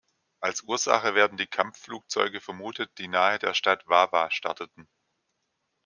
Als Ursache werden die Kampfflugzeuge vermutet, die nahe der Stadt Wawa starteten.